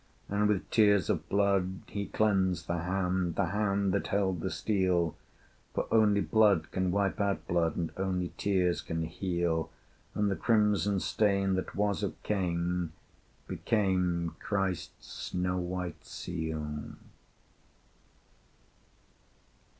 And with tears of blood he cleansed the hand, The hand that held the steel: For only blood can wipe out blood, And only tears can heal: And the crimson stain that was of Cain Became Christ's snow white seal.